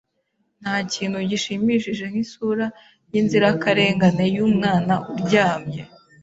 Ntakintu gishimishije nkisura yinzirakarengane yumwana uryamye.